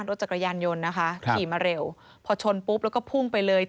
รถจักรยานยนต์นะคะขี่มาเร็วพอชนปุ๊บแล้วก็พุ่งไปเลย